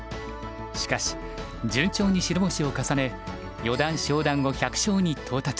しかし順調に白星を重ね四段昇段後１００勝に到達。